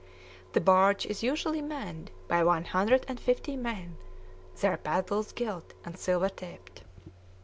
The barge is usually manned by one hundred and fifty men, their paddles gilt and silver tipped.